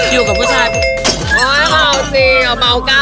อยู่กับผู้ชายเมาสิเอา